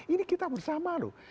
ini kita bersama loh